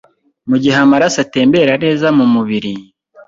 Mu gihe amaraso atembera neza mu mubiri,